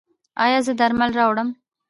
ایا زه درمل راوړم؟